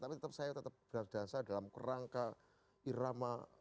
tapi tetap saya tetap berdansa dalam kerangka irama